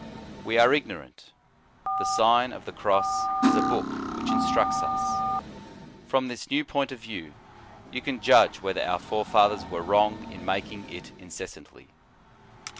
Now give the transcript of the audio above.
We are ignorant; the Sign of the Cross is a book which instructs us. From this new point of view, you can judge whether our forefathers were wrong in making it inces santly.